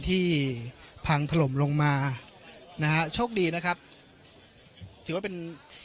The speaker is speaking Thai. ที่พังถล่มลงมานะฮะโชคดีนะครับถือว่าเป็น